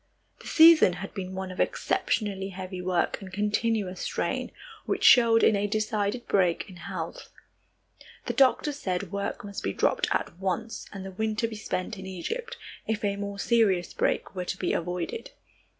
The season had been one of exceptionally heavy work and continuous strain, which showed in a decided break in health. The doctors said work must be dropped at once and the winter be spent in Egypt, if a more serious break were to be avoided.